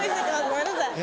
ごめんなさい。